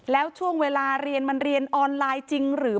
แล้วช่วงเวลาเรียนมันเรียนออนไลน์จริงหรือ